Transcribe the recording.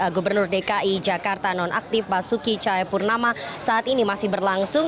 gubernur dki jakarta nonaktif basuki cahayapurnama saat ini masih berlangsung